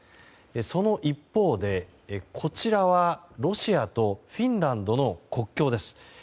その一方でこちらはロシアとフィンランドの国境です。